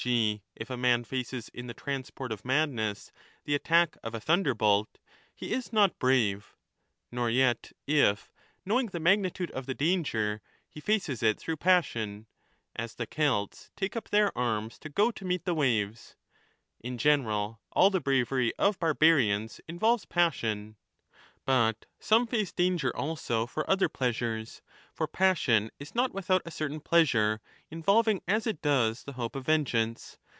g. if a man faces in the transport of madness the attack of a thunderbolt), he is not brave, nor yet if, knowing the magnitude of the danger, he faces it through passion — as the Celts take up their arms to go to meet the waves ;<4n general, all the bravery of barbarians ', involves passion.") But some face danger also for other 30 pleasures — for passion is not without a certain pleasure, involving as it does the hope of vengeance.